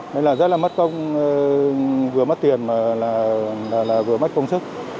nên là rất là mất công vừa mất tiền mà là vừa mất công sức